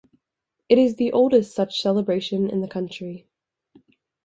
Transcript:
It is the oldest such celebration in the country.